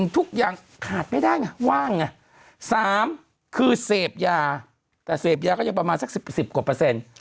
แต่เศรษฐ์เยาะก็ยังประมาณสัก๑๐กว่าเปอร์เซ็นต์